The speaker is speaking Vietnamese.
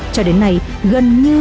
cho đến nay gần như